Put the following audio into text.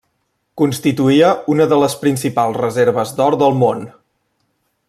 Constituïa una de les principals reserves d'or del món.